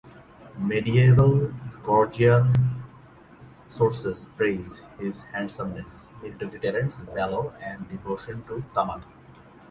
Medieval Georgian sources praise his handsomeness, military talents, valor, and devotion to Tamar.